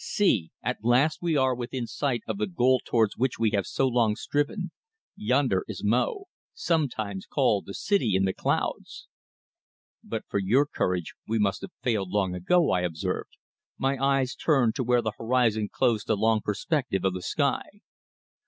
"See! At last we are within sight of the goal towards which we have so long striven. Yonder is Mo, sometimes called the City in the Clouds!" "But for your courage we must have failed long ago," I observed, my eyes turned to where the horizon closed the long perspective of the sky.